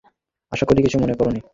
আশা করি কিছু মনে করোনি।